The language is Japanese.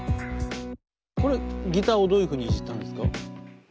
これはギターをどういうふうにいじったんですか？